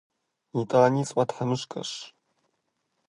Итӏани сфӏэтхьэмыщкӏэщ.